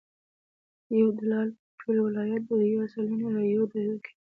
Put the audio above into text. یو دلال د ټول ولایت د اویا سلنې رایو دعوی کوي.